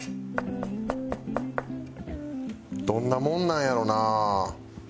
どんなもんなんやろうな？